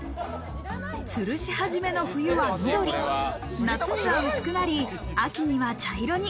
つるし初めの冬は緑、夏には薄くなり、秋には茶色に。